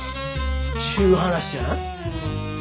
ちゅう話じゃな？